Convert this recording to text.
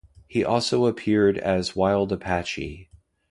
He also appeared as 'Wild Apache'.